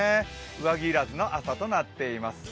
上着要らずの朝となっています。